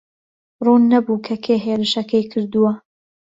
ڕوون نەبوو کە کێ هێرشەکەی کردووە.